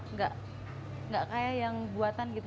nggak kayak yang buatan gitu